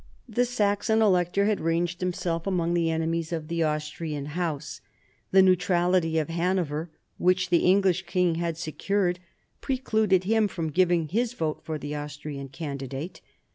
The Saxon Elector had ranged himself among the enemies of the Austrian House. The neu trality of Hanover which the English king had secured precluded him from giving his vote for the Austrian candidate.